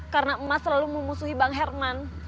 karena emas selalu memusuhi bang herman